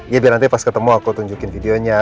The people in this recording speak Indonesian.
ya biar nanti pas ketemu aku tunjukin videonya